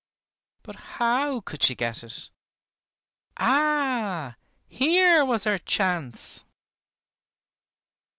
But how could she get it? Ah! here was her chance.